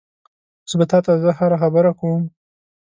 اوس به تا ته زه هره خبره کومه؟